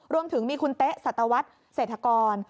รวมถึงมีคุณเต๊ะสัตวัสดิเศรษฐกร